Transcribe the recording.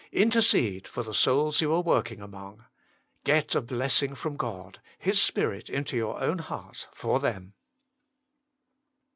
Intercede for the souls you are working among. Get a blessing from God, His Spirit into your own heart, for them.